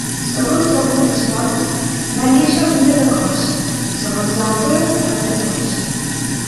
Segons algunes fonts, va néixer a l’illa de Kos, segons altres a Delos.